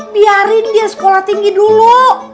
biarin dia sekolah tinggi dulu